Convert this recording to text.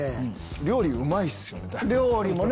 料理うまいっすよね。